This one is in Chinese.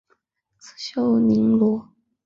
刺绣芋螺为芋螺科芋螺属下的一个种。